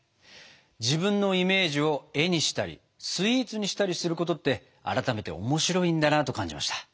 自分のイメージを絵にしたりスイーツにしたりすることって改めておもしろいんだなと感じました。